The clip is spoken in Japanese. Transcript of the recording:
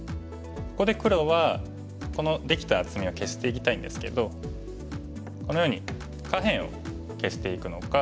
ここで黒はこのできた厚みを消していきたいんですけどこのように下辺を消していくのか。